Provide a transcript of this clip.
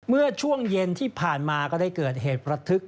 เมื่อช่วงเย็นที่ผ่านมาก็ได้เกิดเหตุระทึก